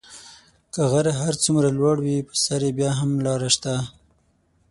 که غر هر څومره لوړ وي په سر یې بیا هم لاره شته .